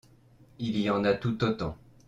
Il y en a tout autant.